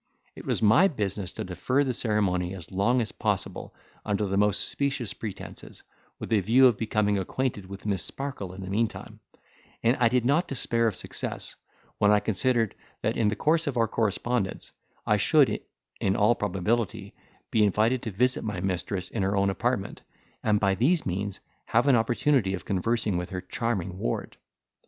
It was my business to defer the ceremony as long as possible, under the most specious pretences, with a view of becoming acquainted with Miss Sparkle in the meantime; and I did not despair of success, when I considered, that in the course of our correspondence, I should, in all probability, be invited to visit my mistress in her own apartment, and by these means have an opportunity of conversing with her charming ward.